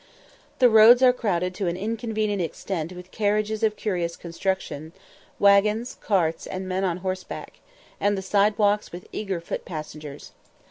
The roads are crowded to an inconvenient extent with carriages of curious construction, waggons, carts, and men on horseback, and the side walks with eager foot passengers.